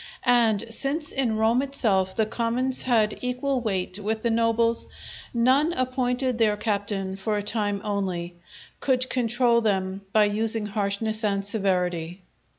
And since in Rome itself the commons had equal weight with the nobles, none appointed their captain for a time only, could control them by using harshness and severity.